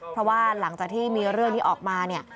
เพราะว่าหลังจากที่มีเรื่องนี้ออกมาเนี่ย